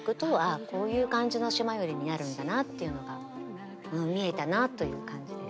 あこういう感じの「島より」になるんだなっていうのが見えたなという感じです。